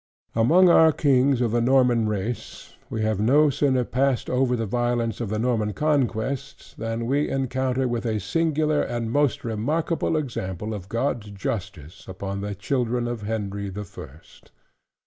Among our kings of the Norman race, we have no sooner passed over the violence of the Norman Conquest, than we encounter with a singular and most remarkable example of God's justice, upon the children of Henry the First.